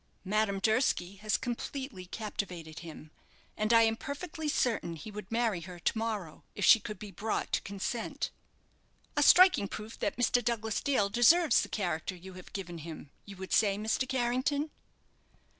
Madame Durski has completely captivated him, and I am perfectly certain he would marry her to morrow, if she could be brought to consent." "A striking proof that Mr. Douglas Dale deserves the character you have given him, you would say, Mr. Carrington?"